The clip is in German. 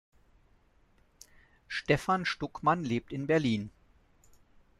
Stefan Stuckmann lebt in Berlin.